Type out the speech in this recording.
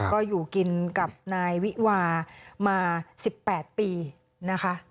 ก็อยู่กินกับนายวิวามา๑๘ปีนะคะ